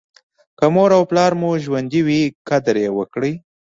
که مور او پلار مو ژوندي وي قدر یې وکړئ.